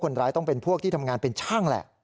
ต้องเป็นพวกที่ทำงานเป็นช่างแหละ